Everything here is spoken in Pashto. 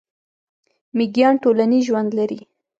میږیان ټولنیز ژوند لري